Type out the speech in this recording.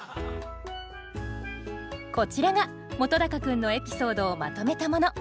こちらが本君のエピソードをまとめたもの。